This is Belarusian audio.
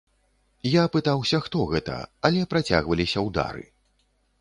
Я пытаўся, хто гэта, але працягваліся ўдары.